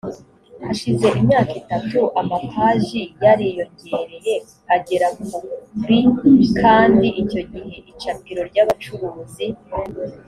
hashize imyaka itatu amapaji yariyongereye agera kuri kandi icyo gihe icapiro ry abacuruzi